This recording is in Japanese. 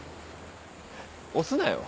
押すなよ。